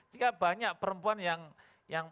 jadi banyak perempuan yang